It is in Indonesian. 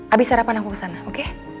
abis sarapan aku kesana oke